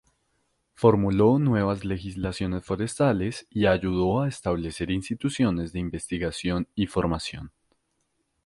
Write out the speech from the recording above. Formuló nuevas legislaciones forestales y ayudó a establecer instituciones de investigación y formación.